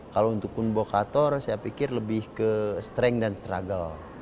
kalau untuk kun bokator saya pikir lebih ke strength dan struggle